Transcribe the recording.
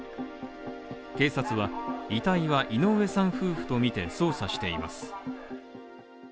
警察は遺体は井上さん夫婦とみて捜査しています。